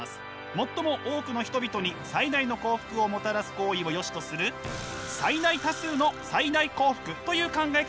最も多くの人々に最大の幸福をもたらす行為をよしとする最大多数の最大幸福という考え方です！